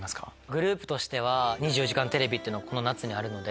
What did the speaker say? グループとしては『２４時間テレビ』っていうのがこの夏にあるので。